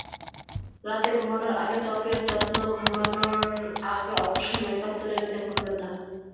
রাতে ঘুমানোর আগে ত্বকের যত্নঘুমানোর আগে অবশ্যই মেকআপ তুলে নিতে ভুলবেন না।